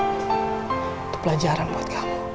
itu pelajaran buat kamu